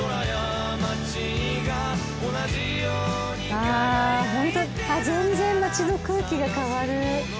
ああホント全然街の空気が変わる。